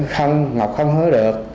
không ngọc không hứa được